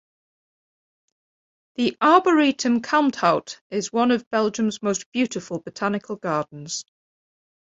The Arboretum Kalmthout is one of Belgium's most beautiful botanical gardens.